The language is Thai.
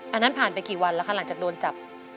อันนั้นผ่านไปกี่วันแล้วคะหลังจากโดนจับ